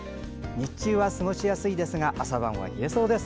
日中は過ごしやすいですが朝晩は冷えそうです。